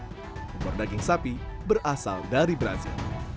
impor daging sapi berasal dari brazil